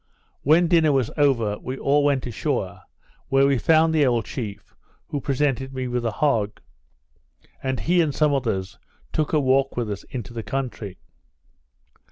When dinner was over, we all went ashore, where we found the old chief, who presented me with a hog; and he and some others took a walk with us into the country.